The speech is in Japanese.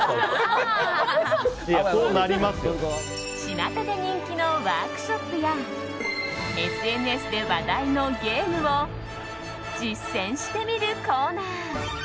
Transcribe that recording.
ちまたで人気のワークショップやＳＮＳで話題のゲームを実践してみるコーナー